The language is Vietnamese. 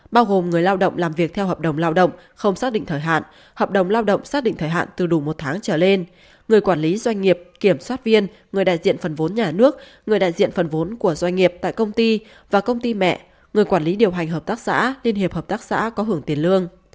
bao gồm người lao động làm việc theo hợp đồng lao động không xác định thời hạn hợp đồng lao động xác định thời hạn từ đủ một tháng trở lên người quản lý doanh nghiệp kiểm soát viên người đại diện phần vốn nhà nước người đại diện phần vốn của doanh nghiệp tại công ty và công ty mẹ người quản lý điều hành hợp tác xã liên hiệp hợp tác xã có hưởng tiền lương